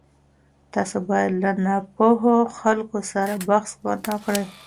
تاسو باید له ناپوهه خلکو سره بحث ونه کړئ.